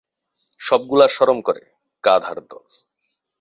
সবগুলার শরম করে, গাধার দল।